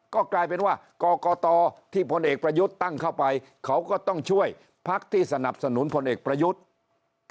ก็กลายเป็นว่ากรกตที่พลเอกประยุทธ์ตั้งเข้าไปเขาก็ต้องช่วยพักที่สนับสนุนพลเอกประยุทธ์